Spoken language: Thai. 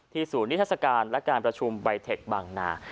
ที่ศูนย์นิทราชการและการประชุมใบเทคบังนา